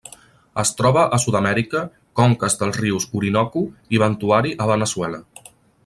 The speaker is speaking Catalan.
Es troba a Sud-amèrica: conques dels rius Orinoco i Ventuari a Veneçuela.